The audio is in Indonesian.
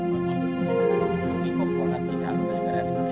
mahkamah kohormatan dewan